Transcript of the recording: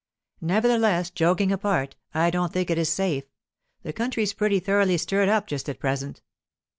'Nevertheless, joking apart, I don't think it is safe. The country's pretty thoroughly stirred up just at present.